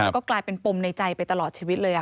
ก็กลายเป็นปมในใจไปตลอดชีวิตเลย